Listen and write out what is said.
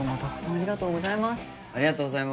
ありがとうございます。